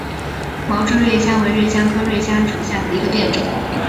毛柱瑞香为瑞香科瑞香属下的一个变种。